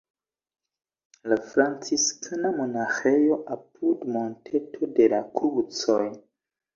La franciskana monaĥejo apud Monteto de la Krucoj.